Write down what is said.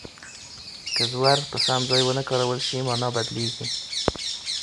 که زور په سم ځای ونه کارول شي مانا بدلیږي.